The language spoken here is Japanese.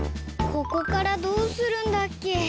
ここからどうするんだっけ？